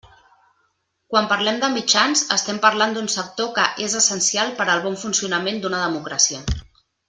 Quan parlem de mitjans, estem parlant d'un sector que és essencial per al bon funcionament d'una democràcia.